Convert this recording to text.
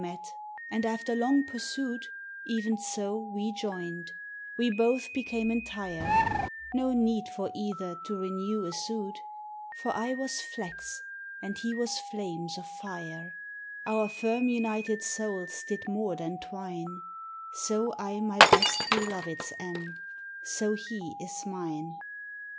E'en so we met; and after long pursuit, E'en so we joined; we both became entire; No need for either to renew a suit, For I was flax and he was flames of fire: Our firm united souls did more than twine: So I my Best Belovèd's am; so He is mine.